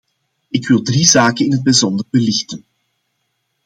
Ik wil drie zaken in het bijzonder belichten.